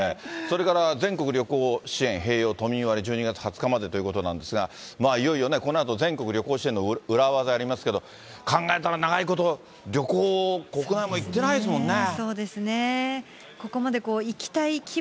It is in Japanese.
それから全国旅行支援併用都民割１２月２０日までということなんですが、いよいよね、このあと、全国旅行支援の裏技やりますけど、考えたら長いこと、旅行、国内も行ってないですもんね。